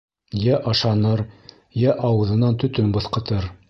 — Йә ашаныр, йә ауыҙынан төтөн быҫҡытыр.